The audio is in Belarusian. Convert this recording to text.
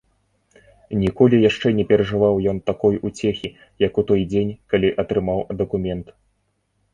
Ніколі яшчэ не перажываў ён такой уцехі, як у той дзень, калі атрымаў дакумент.